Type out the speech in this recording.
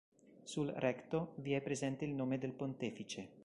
Sul "recto" vi è presente il nome del pontefice.